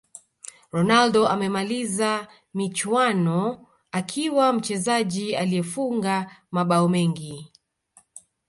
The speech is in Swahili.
ronaldo amemaliza michuano akiwa mchezaji aliyefunga mabao mengi